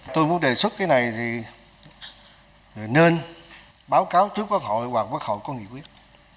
tôi muốn đề xuất cái này thì nên báo cáo trước quốc hội và quốc hội có nghị quyết